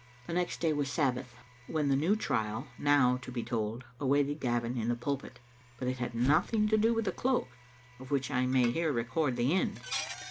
The next day was Sabbath, when a new trial, now to be told, awaited Gavin in the pulpit; but it had nothing to do with the cloak, of which I may here record the end.